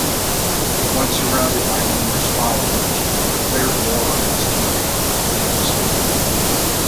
Once surrounded by numerous followers, he declared war on his two male relatives.